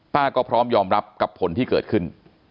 ก็พร้อมยอมรับกับผลที่เกิดขึ้น